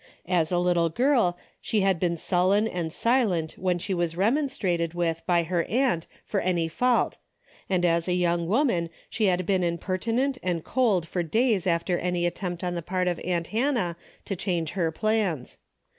As a little girl, she had been sullen and silent DAILY BATE:^ 209 when she was remonstrated with by her aunt for any fault, and as a young woman she had been impertinent and cold for days after any attempt on the part of aunt Hannah to change her plans.